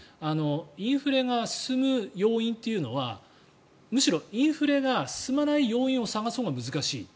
インフレが進む要因というのはむしろインフレが進まない要因を探すほうが難しい。